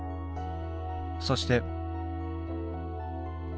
そして。